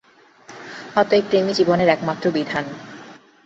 অতএব প্রেমই জীবনের একমাত্র বিধান।